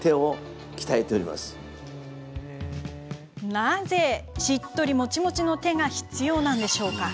なぜ、しっとりもちもちの手が必要なのか？